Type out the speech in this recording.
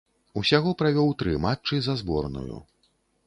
Усяго правёў тры матчы за зборную.